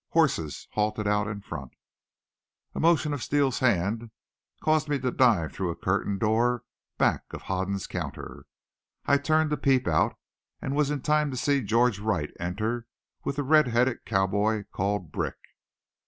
Horses halted out in front. A motion of Steele's hand caused me to dive through a curtained door back of Hoden's counter. I turned to peep out and was in time to see George Wright enter with the red headed cowboy called Brick.